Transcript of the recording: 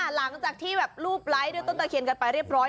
หลังจากที่แบบรูปไลค์ด้วยต้นตะเคียนกันไปเรียบร้อย